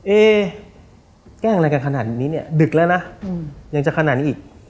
แกล้งอะไรกันขนาดนี้เนี่ยดึกแล้วนะยังจะขนาดนี้อีก